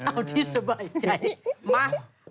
เอาที่สบายใจมา